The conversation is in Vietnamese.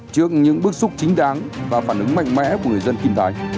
trước những bước xúc chính đáng và phản ứng mạnh mẽ của người dân kim thái